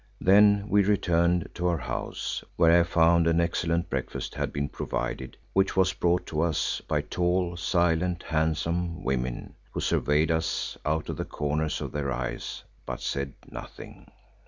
Then we returned to our house, where I found an excellent breakfast had been provided which was brought to us by tall, silent, handsome women who surveyed us out of the corners of their eyes, but said nothing.